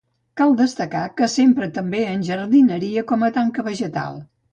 Cal destacar que s'empra també en jardineria com a tanca vegetal.